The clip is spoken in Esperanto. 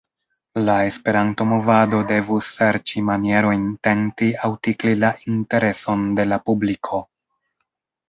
La Esperanto-movado devus serĉi manierojn tenti aŭ tikli la intereson de la publiko.